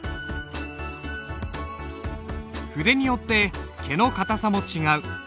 筆によって毛の硬さも違う。